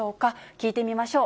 聞いてみましょう。